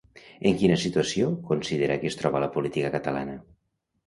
En quina situació considera que es troba la política catalana?